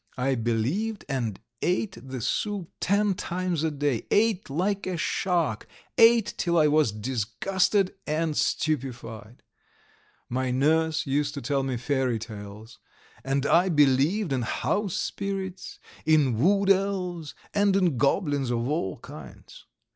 I believed, and ate the soup ten times a day, ate like a shark, ate till I was disgusted and stupefied. My nurse used to tell me fairy tales, and I believed in house spirits, in wood elves, and in goblins of all kinds.